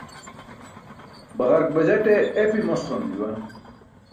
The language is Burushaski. Baġark bajate epi mosqanum juwan.